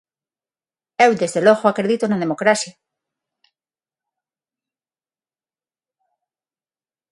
Eu, desde logo, acredito na democracia.